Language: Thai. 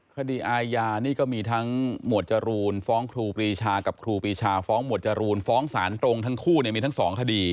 คดีอาญานี่ก็มีทั้งหมวดจรูนฟ้องครูปรีชากับครูปีชาฟ้องหมวดจรูนฟ้องสารตรงทั้งคู่มีทั้งสองคดี